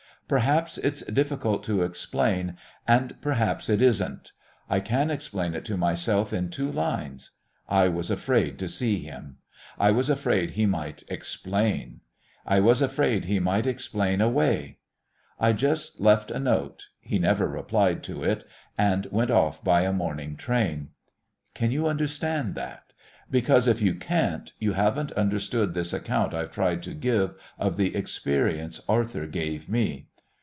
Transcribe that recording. Perhaps it's difficult to explain, and perhaps it isn't. I can explain it to myself in two lines I was afraid to see him. I was afraid he might "explain." I was afraid he might explain "away." I just left a note he never replied to it and went off by a morning train. Can you understand that? Because if you can't you haven't understood this account I've tried to give of the experience Arthur gave me.